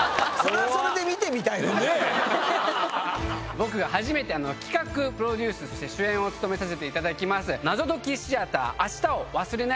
僕が初めて企画・プロデュース主演を務めさせていただきます。